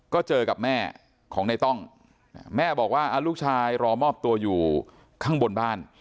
ก็เจอกับแม่ของในต้องแม่บอกว่าลูกชายรอมอบตัวอยู่ข้างบนบ้าน